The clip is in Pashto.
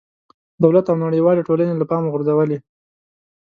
دولت او نړېوالې ټولنې له پامه غورځولې.